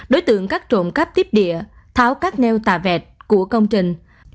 đối tượng cắt trộm cắp tiếp địa tháo các neo tà vẹt của công trình